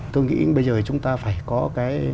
tôi nghĩ bây giờ chúng ta phải có cái